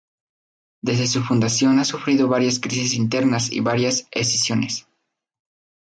Desde su fundación ha sufrido varias crisis internas y varias escisiones.